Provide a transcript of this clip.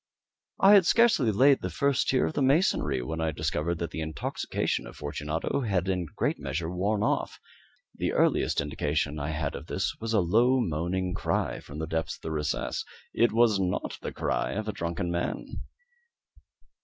I had scarcely laid the first tier of the masonry when I discovered that the intoxication of Fortunato had in a great measure worn off. The earliest indication I had of this was a low moaning cry from the depth of the recess. It was not the cry of a drunken man.